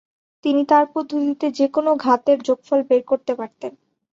তিনি তাঁর পদ্ধতিতে যেকোনো ঘাতের যোগফল বের করতে পারতেন।